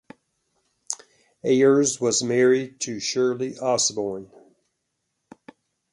Ayers was married to Shirley Osborn.